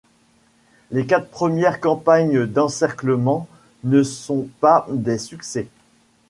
Les quatre premières campagnes d'encerclement ne sont pas des succès.